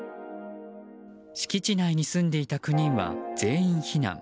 敷地内に住んでいた９人は全員避難。